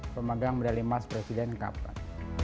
pemegang medali emas presiden kapan